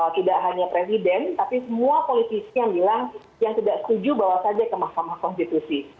tidak hanya presiden tapi semua politisi yang bilang yang tidak setuju bawa saja ke mahkamah konstitusi